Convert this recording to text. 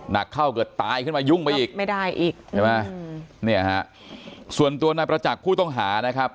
นักเข้าเกิดตายขึ้นมายุ่งไปอีกส่วนตัวนายประจักษ์ผู้ต้องหานะครับ